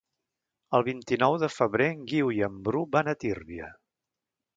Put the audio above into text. El vint-i-nou de febrer en Guiu i en Bru van a Tírvia.